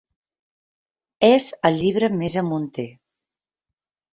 És el llibre més amunter.